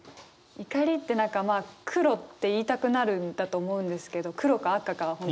怒りって何か黒って言いたくなるんだと思うんですけど黒か赤か。